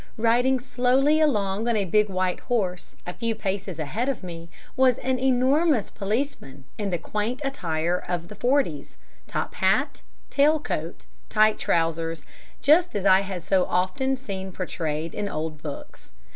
Riding slowly along on a big white horse, a few paces ahead of me, was an enormous policeman in the quaint attire of the 'forties top hat, tail coat, tight trousers, just as I had so often seen portrayed in old books.